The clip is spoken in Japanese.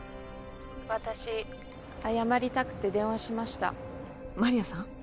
私謝りたくて電話しましたマリアさん？